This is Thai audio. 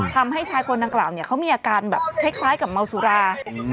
ทำให้ชายคนดังกล่าวเขามีอาการแบบคล้ายกับเมาสุรา